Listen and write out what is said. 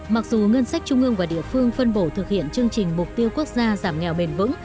mặc dù ngân sách trung ương và địa phương phân bổ thực hiện chương trình mục tiêu quốc gia giảm nghèo bền vững